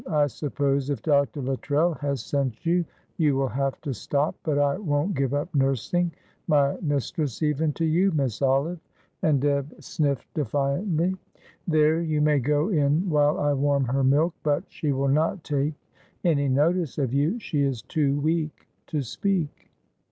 I suppose if Dr. Luttrell has sent you you will have to stop, but I won't give up nursing my mistress even to you, Miss Olive," and Deb sniffed defiantly. "There, you may go in while I warm her milk, but she will not take any notice of you. She is too weak to speak."